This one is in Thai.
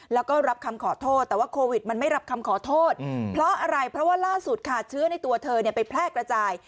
แล้วก็รับคำขอโทษแต่ว่าโควิดมันไม่รับคำขอโทษเพราะอะไรเพราะว่าล่าสุดค่ะเชื้อในตัวเธอไปแพร่กระจาย